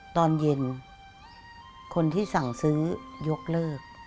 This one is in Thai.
ตอนเย็นคนที่สั่งซื้อยกเลิก